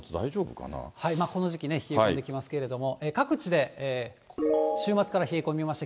この時期冷え込んできますけど、各地で週末から冷え込みまして、